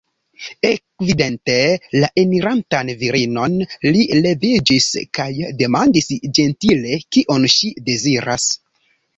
Ekvidinte la enirantan virinon, li leviĝis kaj demandis ĝentile, kion ŝi deziras.